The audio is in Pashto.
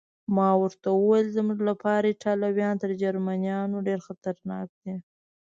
ما ورته وویل: زموږ لپاره ایټالویان تر جرمنیانو ډېر خطرناک دي.